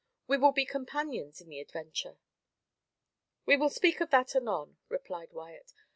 We will be companions in the adventure." "We will speak of that anon," replied Wyat.